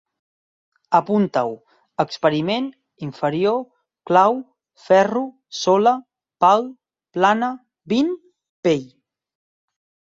Apuntau: experiment, inferior, clau, ferro, sola, pal, plana, vint, pell